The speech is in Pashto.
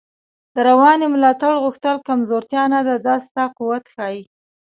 د روانی ملاتړ غوښتل کمزوتیا نده، دا ستا قوت ښایی